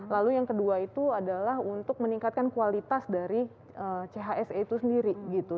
lalu yang kedua itu adalah untuk meningkatkan kualitas dari chse itu sendiri gitu